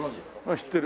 知ってる。